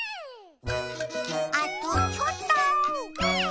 あとちょっと。